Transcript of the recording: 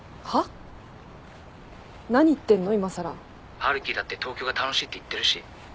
春樹だって東京が楽しいって言ってるし。